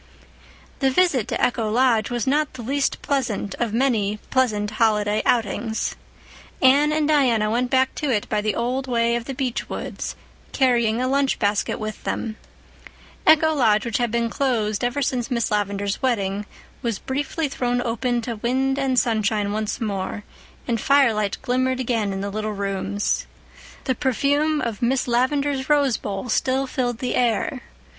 The visit to Echo Lodge was not the least pleasant of many pleasant holiday outings. Anne and Diana went back to it by the old way of the beech woods, carrying a lunch basket with them. Echo Lodge, which had been closed ever since Miss Lavendar's wedding, was briefly thrown open to wind and sunshine once more, and firelight glimmered again in the little rooms. The perfume of Miss Lavendar's rose bowl still filled the air.